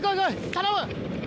頼む！